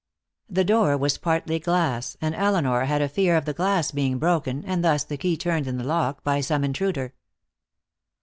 The door was partly glass, and Elinor had a fear of the glass being broken and thus the key turned in the lock by some intruder.